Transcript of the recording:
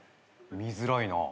見づらいなぁ。